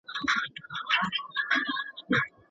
په لاس لیکلنه خام معلومات په پخه پوهه بدلوي.